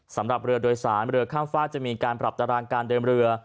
สำหรับเรือโดยสารเรือข้ามฝากจะมีการปรับตารางการเดินเรือ